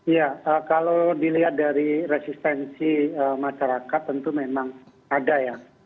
ya kalau dilihat dari resistensi masyarakat tentu memang ada ya